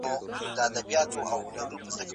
احمد شاه ابدالي څنګه د ګډو ګټو ساتنه کوله؟